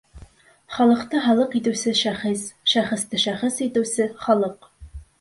Халыҡты халыҡ итеүсе — шәхес, шәхесте шәхес итеүсе — халыҡ.